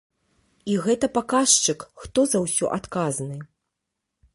І гэта паказчык, хто за ўсё адказны.